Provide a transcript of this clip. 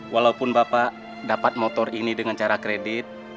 walaupun bapak dapat motor ini dengan cara kredit